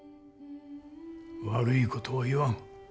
悪いことは言わん。